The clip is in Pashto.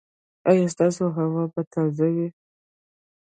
ایا ستاسو هوا به تازه وي؟